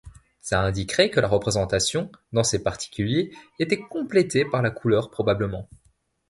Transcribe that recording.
Ça indiquerait que la représentation, dans ses particuliers, était complétée par la couleur probablement.